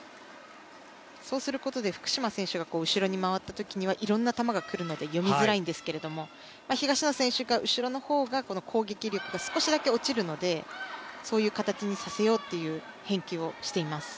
そうすることで福島選手が後ろに回ったときにはいろんな球がくるので読みづらいんですけど東野選手が後ろの方が攻撃力が少しだけ落ちるのでそういう形にさせようという返球をしています。